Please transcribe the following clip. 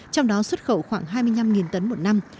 trong đó xuất khẩu khoảng hai mươi năm tấn một năm